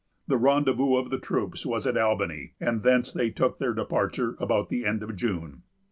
The rendezvous of the troops was at Albany, and thence they took their departure about the end of June.